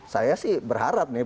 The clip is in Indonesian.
saya sih berharap nih